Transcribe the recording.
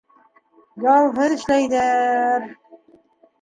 Ялһыҙ эшләйҙәр...